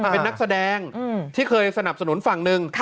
เป็นนักแสดงที่เคยสนับสนุนฝั่งหนึ่ง